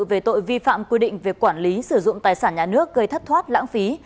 về tội vi phạm quy định về quản lý sử dụng tài sản nhà nước gây thất thoát lãng phí